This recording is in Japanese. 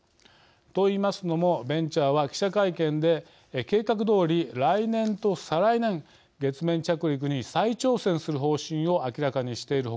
と言いますのもベンチャーは記者会見で計画どおり来年と再来年月面着陸に再挑戦する方針を明らかにしている他